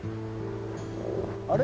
「あれ？